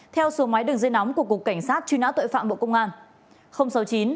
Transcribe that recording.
theo số máy đường dây nóng của cục cảnh sát truy nã tội phạm bộ công an